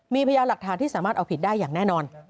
มีพยานหลักฐานที่สามารถเอาผิดได้อย่างแน่นอน